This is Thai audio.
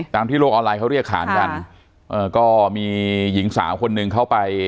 ที่โลกออนไลน์เขาเรียกขานกันเอ่อก็มีหญิงสาวคนหนึ่งเข้าไป